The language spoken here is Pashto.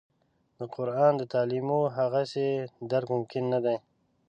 د قران د تعالیمو هغسې درک ممکن نه دی.